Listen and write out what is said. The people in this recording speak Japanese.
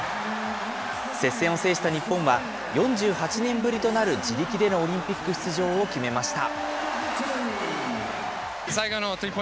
接戦を制した日本は、４８年ぶりとなる自力でのオリンピック出場を決めました。